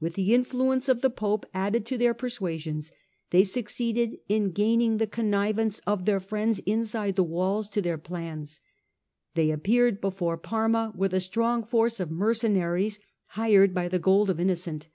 With the influence of the Pope added to their persuasions, they succeeded in gaining the connivance of their friends inside the walls to their plans. They appeared before Parma with a strong force of mercenaries, hired by the gold of Innocent.